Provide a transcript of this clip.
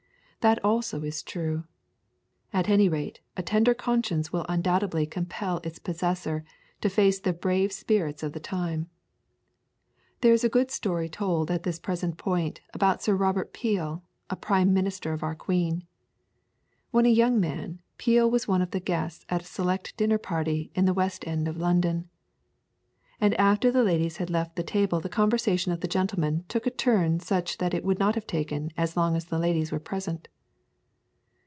That also is true. At any rate, a tender conscience will undoubtedly compel its possessor to face the brave spirits of the time. There is a good story told to this present point about Sir Robert Peel, a Prime Minister of our Queen. When a young man, Peel was one of the guests at a select dinner party in the West end of London. And after the ladies had left the table the conversation of the gentlemen took a turn such that it could not have taken as long as the ladies were present.